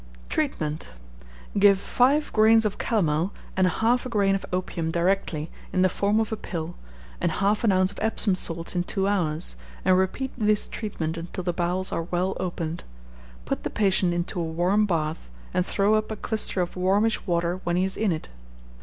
Treatment. Give five grains of calomel and half a grain of opium directly, in the form of a pill, and half an ounce of Epsom salts in two hours, and repeat this treatment until the bowels are well opened. Put the patient into a warm bath, and throw up a clyster of warmish water when he is in it.